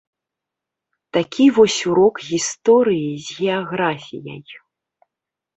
Такі вось урок гісторыі з геаграфіяй.